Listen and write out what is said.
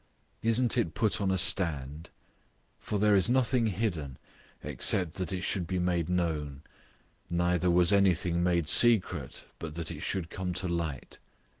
Isn't it put on a stand? 004:022 For there is nothing hidden, except that it should be made known; neither was anything made secret, but that it should come to light.